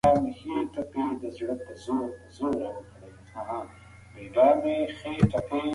شاه شجاع به د خپلو ځواکونو په وسیله د دښمن مخه نیسي.